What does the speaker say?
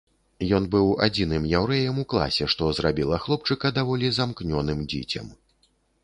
Ён быў адзіным яўрэем у класе, што зрабіла хлопчыка даволі замкнёным дзіцем.